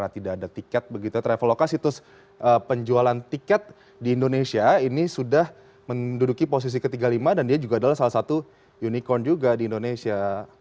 tidak ada tiket begitu traveloka situs penjualan tiket di indonesia ini sudah menduduki posisi ke tiga puluh lima dan dia juga adalah salah satu unicorn juga di indonesia